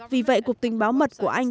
vì vậy cục tình báo mật của anh